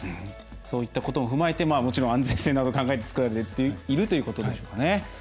そういったことも踏まえてもちろん安全性など考えてつくられているということでしょうかね。